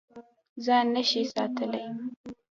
ځان نه شې ساتلی.